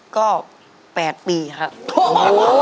ก็๘ปีครับ